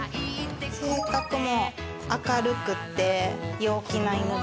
性格も明るくって陽気な犬ですね。